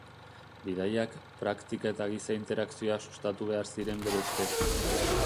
Bidaiak, praktika eta giza interakzioa sustatu behar ziren bere ustez.